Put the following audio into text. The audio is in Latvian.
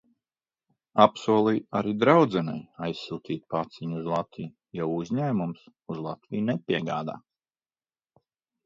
Apsolīju arī draudzenei aizsūtīt paciņu uz Latviju, jo uzņēmums uz Latviju nepiegādā.